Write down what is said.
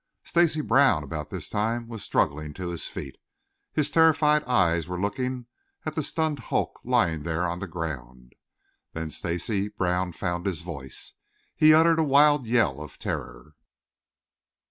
Stacy Brown about this time was struggling to his feet. His terrified eyes were looking at the stunned hulk lying there on the ground. Then Stacy Brown found his voice. He uttered a wild yell of terror.